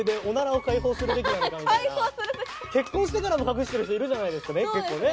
結婚してからも隠してる人いるじゃないですか結構ね。